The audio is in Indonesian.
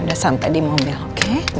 udah sampai di mobil oke